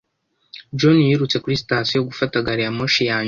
John yirutse kuri sitasiyo gufata gari ya moshi ya nyuma.